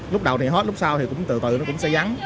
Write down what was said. lúc đầu thì hot lúc sau thì cũng từ từ nó cũng sẽ vắng